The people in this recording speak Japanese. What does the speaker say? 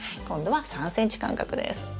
今度は３ｃｍ間隔です。